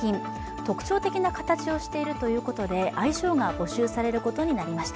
特徴的な形をしているということで愛称が募集されることになりました。